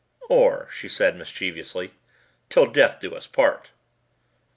"Or," she said mischievously, "'Til death do us part!"